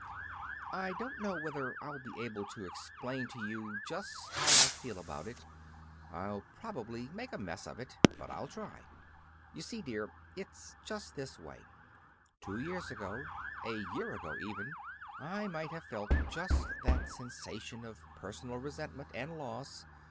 "I don't know whether I'll be able to explain to you just how I feel about it. I'll probably make a mess of it. But I'll try. You see, dear, it's just this way: Two years ago a year ago, even I might have felt just that sensation of personal resentment and loss.